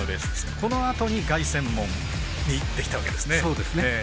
このあとに凱旋門にいってきたわけですね。